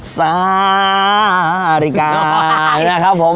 สาธาริกานะครับผม